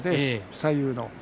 左右への。